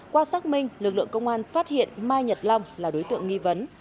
qua xác minh lực lượng công an phát hiện mai nhật long là đối tượng nghi vấn